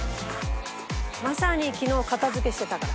まさに昨日片付けしてたから。